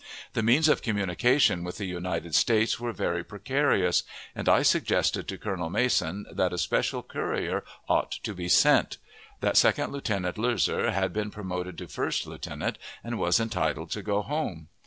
The means of communication with the United States were very precarious, and I suggested to Colonel Mason that a special courier ought to be sent; that Second Lieutenant Loeser had been promoted to first lieutenant, and was entitled to go home.